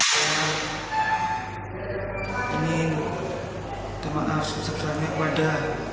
saya ingin meminta maaf sebesarnya kepada